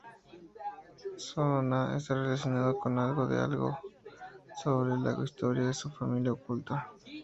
Soo-na está relacionado con algo de algo, sobre la historia de su familia oculta...